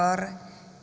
para menteri koordinator